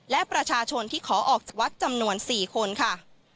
และประชาชนที่ขอออกจากวัดจำนวน๔คนค่ะ